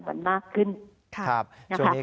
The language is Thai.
ก็คือสามารถขายข้าวได้ในรัฐศาสตร์ที่สูงขึ้นได้